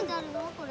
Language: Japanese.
これ。